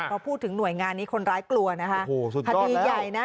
เราพูดถึงหน่วยงานนี้คนร้ายกลัวนะคะโอ้โหสุดข้อแล้วภัตรีใหญ่น่ะ